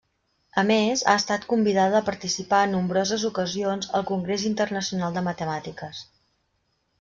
A més, ha estat convidada a participar en nombroses ocasions al Congrés Internacional de Matemàtiques.